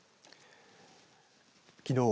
きのう